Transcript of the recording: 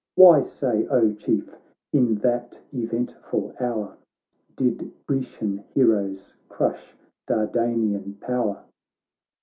Why, say, O Chief, in that eventful hour Did Grecian heroes crush Dardanian power